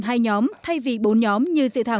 hai nhóm thay vì bốn nhóm như dự thảo